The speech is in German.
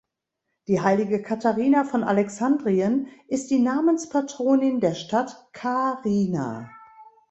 Die Heilige Katharina von Alexandrien ist die Namenspatronin der Stadt Kaarina.